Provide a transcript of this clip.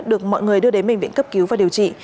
được mọi người đưa đến bệnh viện cấp cứu và điều trị